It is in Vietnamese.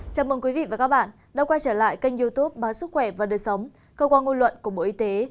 chào mừng quý vị và các bạn đã quay trở lại kênh youtube báo sức khỏe và đời sống cơ quan ngôn luận của bộ y tế